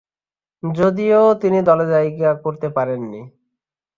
যদিও, তিনি দলে জায়গা করতে পারেন নি।